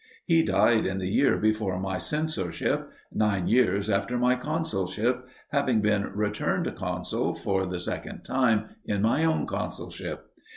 He died in the year before my censorship, nine years after my consulship, having been returned consul for the second time in my own consulship.